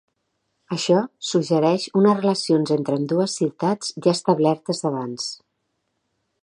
Això suggereix unes relacions entre ambdues ciutats ja establertes d'abans.